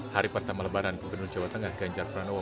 hari pertama lebaran gubernur jawa tengah ganjar pranowo